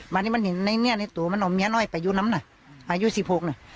มานี่มันเห็นในเนี้ยในตั๋วมันเอาเมียน้อยไปอยู่น้ำนะอายุสี่โปรกน่ะ